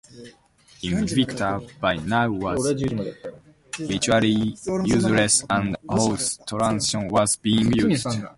"Invicta" by now was virtually useless and horse traction was being used.